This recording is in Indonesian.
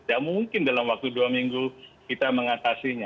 tidak mungkin dalam waktu dua minggu kita mengatasinya